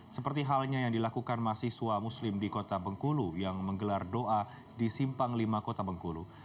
seperti halnya yang dilakukan mahasiswa muslim di kota bengkulu yang menggelar doa di simpang lima kota bengkulu